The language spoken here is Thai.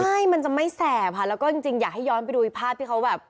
ใช่มันจะไม่แสบค่ะแล้วก็จริงอยากให้ย้อนไปดูภาพที่เขาแบบ